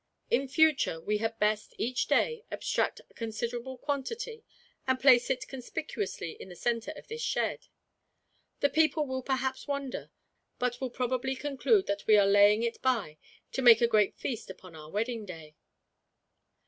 In future we had best, each day, abstract a considerable quantity; and place it conspicuously in the center of this shed. The people will perhaps wonder, but will probably conclude that we are laying it by, to make a great feast upon our wedding day.